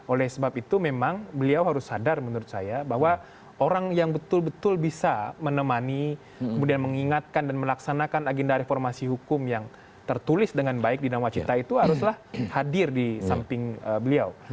oleh sebab itu memang beliau harus sadar menurut saya bahwa orang yang betul betul bisa menemani kemudian mengingatkan dan melaksanakan agenda reformasi hukum yang tertulis dengan baik di nawacita itu haruslah hadir di samping beliau